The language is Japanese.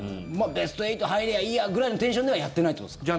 ベスト８入ればいいやぐらいのテンションではやってないということですか？